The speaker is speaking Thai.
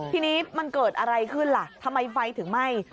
ทีนี้มันเกิดอะไรขึ้นล่ะทำไมไฟถึงไหม้